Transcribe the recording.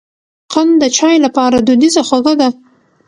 قند د چای لپاره دودیزه خوږه ده.